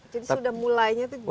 jadi sudah mulainya tuh di inggris ya